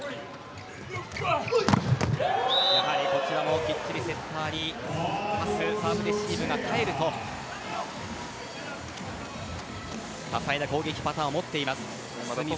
こちらもしっかりセッターにサーブレシーブが返ると多彩な攻撃パターンを持っています。